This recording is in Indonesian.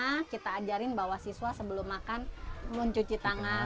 jadi kita ngumpulin bawah siswa sebelum makan mencuci tangan